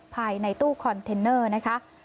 ภายในตู้คอนเทนเนอร์